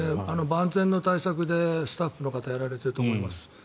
万全の対策でスタッフの方やられてると思います。